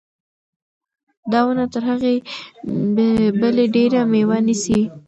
دا ونه تر هغې بلې ډېره مېوه نیسي.